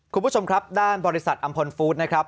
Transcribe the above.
คุณผู้ชมครับด้านบริษัทอำพลฟู้ดนะครับ